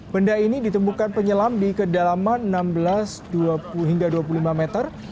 benda ini ditemukan penyelam di kedalaman enam belas dua puluh hingga dua puluh lima meter